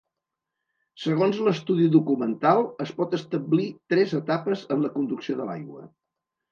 Segons l'estudi documental es pot establir tres etapes en la conducció de l'aigua.